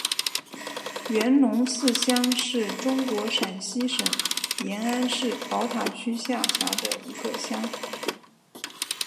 元龙寺乡是中国陕西省延安市宝塔区下辖的一个乡。